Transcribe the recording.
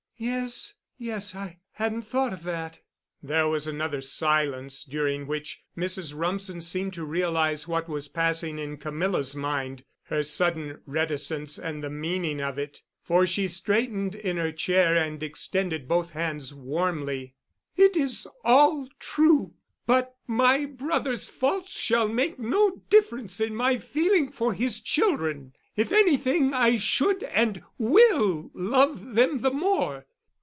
"Yes—yes—I hadn't thought of that." There was another silence, during which Mrs. Rumsen seemed to realize what was passing in Camilla's mind—her sudden reticence and the meaning of it, for she straightened in her chair and extended both hands warmly. "It is all true. But my brother's faults shall make no difference in my feeling for his children. If anything I should and will love them the more.